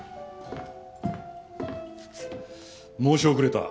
申し遅れた。